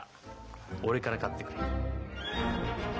俺から買ってくれ。